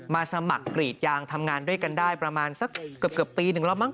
สมัครกรีดยางทำงานด้วยกันได้ประมาณสักเกือบปีหนึ่งแล้วมั้